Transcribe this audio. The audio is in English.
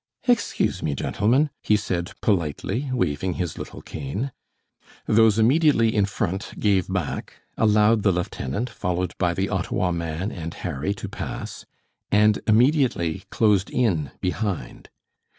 "Excuse me, gentlemen," he said, politely, waving his little cane. Those immediately in front gave back, allowed the lieutenant, followed by the Ottawa man and Harry, to pass, and immediately closed in behind.